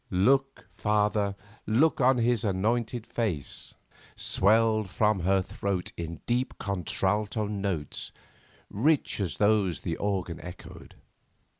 "Look, Father, look on His anointed face," swelled from her throat in deep contralto notes, rich as those the organ echoed.